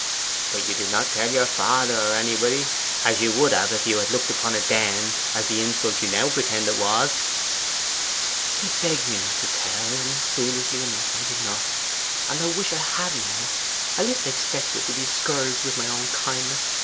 'But you did not tell your father or anybody, as you would have if you had looked upon it then as the insult you now pretend it was.' 'He begged me not to tell, and foolishly enough I did not. And I wish I had now. I little expected to be scourged with my own kindness.